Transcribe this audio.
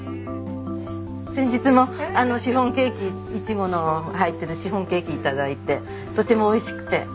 先日もシフォンケーキイチゴの入ってるシフォンケーキ頂いてとても美味しくて。